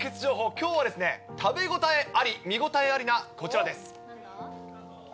きょうはですね、食べ応えあり、見応えありなこちらです。